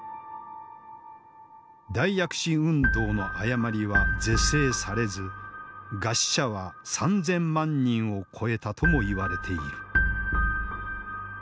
大躍進運動の誤りは是正されず餓死者は３，０００万人を超えたともいわれている。